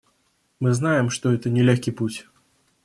Мы знаем, что это не легкий путь.